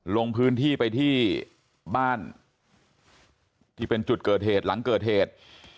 ลงพื้นที่ไปที่บ้านที่เป็นจุดเกิดเหตุหลังเกิดเหตุ